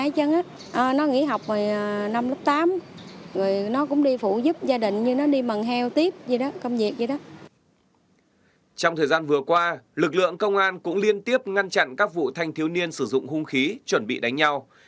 trong thời gian vừa qua lực lượng công an cũng liên tiếp ngăn chặn các vụ thanh thiếu niên sử dụng hung khí chuẩn bị đánh nhau